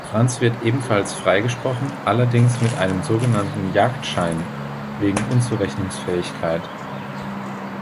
Franz wird ebenfalls freigesprochen, allerdings mit einem sogenannten "Jagdschein" wegen Unzurechnungsfähigkeit.